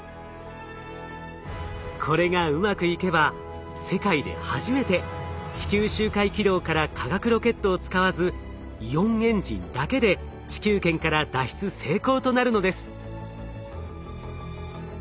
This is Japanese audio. これがうまくいけば世界で初めて地球周回軌道から化学ロケットを使わずイオンエンジンだけで地球圏から脱出成功となるのです。